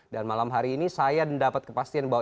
dan malam hari ini saya mendapat kepastian bahwa